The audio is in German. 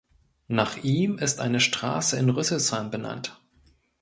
Nach ihm ist eine Straße in Rüsselsheim benannt.